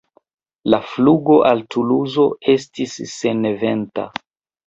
La flugo al Tunizo estis seneventa.